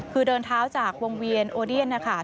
คือเดินเท้าจากวงเวียนโอเดียนนะคะ